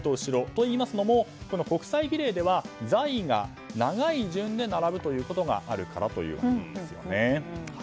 と言いますのも国際儀礼では在位が長い順で並ぶということがあるからということなんです。